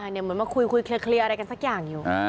เหมือนมาคุยเคลียร์อะไรกันสักอย่างอยู่